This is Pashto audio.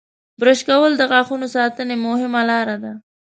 • برش کول د غاښونو ساتنې مهمه لاره ده.